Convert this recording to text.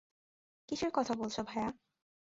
কীসের কথা বলছো, ভায়া?